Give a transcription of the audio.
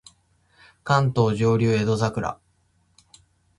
関東上流江戸桜